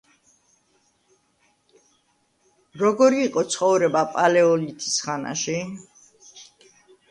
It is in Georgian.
როგორი იყო ცხოვრება პალეოლითის ხანაში?